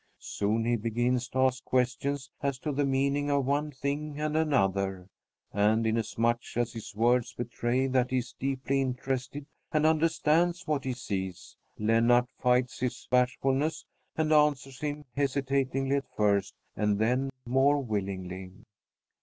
Soon he begins to ask questions as to the meaning of one thing and another, and inasmuch as his words betray that he is deeply interested and understands what he sees, Lennart fights his bashfulness, and answers him, hesitatingly at first and then more willingly.